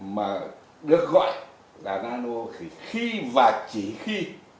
mà được gọi là nano thì khi và chỉ khi